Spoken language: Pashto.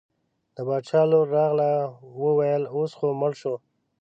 د باچا لور راغله وویل اوس خو مړ شو.